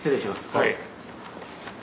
はい。